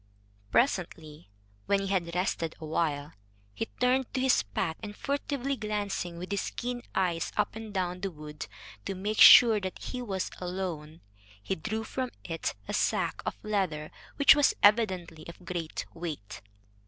Presently, when he had rested awhile, he turned to his pack, and, furtively glancing with his keen eyes up and down the wood, to make sure that he was alone, he drew from it a sack of leather which was evidently of great weight.